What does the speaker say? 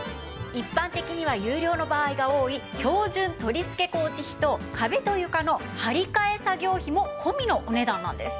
一般的には有料の場合が多い標準取り付け工事費と壁と床の張り替え作業費も込みのお値段なんです。